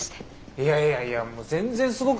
いやいやいやもう全然すごくないよ。